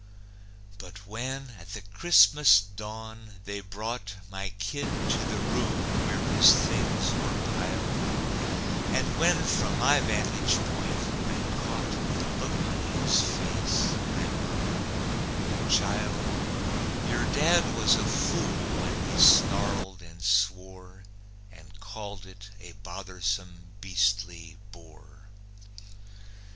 But when, at the Christmas dawn, they brought My kid to the room where his things were piled, And when, from my vantage point, I caught The look on his face, I murmured: "Child, Your dad was a fool when he snarled and swore, And called it a bothersome, beastly bore."